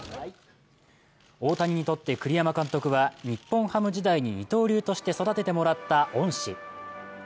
大谷にとって栗山監督は日本ハム時代に二刀流として育ててもらった恩師。